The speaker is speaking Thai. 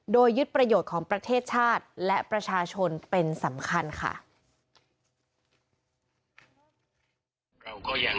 โดยยึดประโยชน์ของประเทศชาติและประชาชนเป็นสำคัญค่ะ